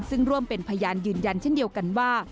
ซึ่งร่วมเป็นพยานยืนยันเช่นเดียวกันว่า